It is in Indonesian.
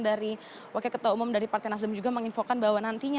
dari wakil ketua umum dari partai nasdem juga menginfokan bahwa nantinya